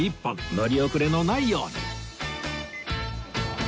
乗り遅れのないように